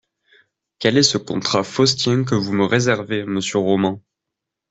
Quel est ce contrat faustien que vous me réservez monsieur Roman.